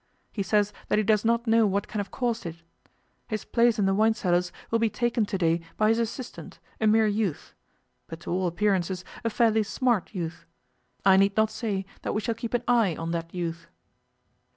He says that he does not know what can have caused it. His place in the wine cellars will be taken to day by his assistant, a mere youth, but to all appearances a fairly smart youth. I need not say that we shall keep an eye on that youth.